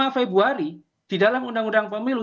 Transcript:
lima februari di dalam undang undang pemilu